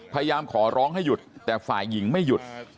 พยายามขอร้องให้หยุดแต่ฝ่ายหญิงไม่หยุด